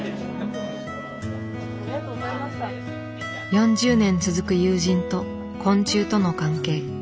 ４０年続く友人と昆虫との関係。